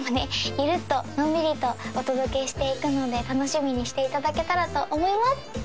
ゆるっとのんびりとお届けしていくので楽しみにしていただけたらと思います！